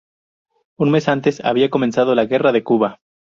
Un mes antes había comenzado la guerra de Cuba.